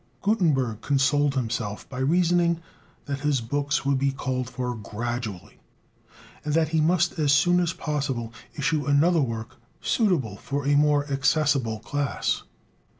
Gutenberg consoled himself by reasoning that his books would be called for gradually, and that he must as soon as possible issue another work suitable for a more accessible class.